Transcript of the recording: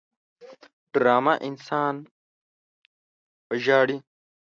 ډرامه انسان وژاړي